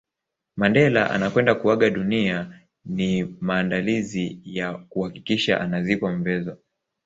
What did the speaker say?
Mandela anakwenda kuaga dunia ni maandalizi ya kuhakikisha anazikwa Mvezo